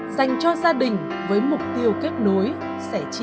dành cho gia đình với mục tiêu kết nối sẻ chia